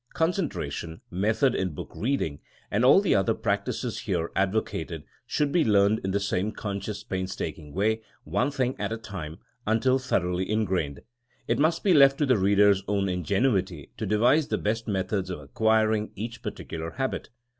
Concentration, method in book reading, and all the other practices here advocated should be learned in the same con scious, painstaking way, one thing at a time, until thoroughly ingrained. It must be left to the reader *s own ingenuity to devise the best methods of acquiring each particular habit.